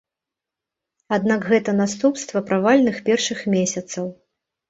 Аднак гэта наступства правальных першых месяцаў.